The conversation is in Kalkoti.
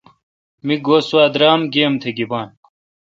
می گو سوا درامہ گیی ام تہ گیبان۔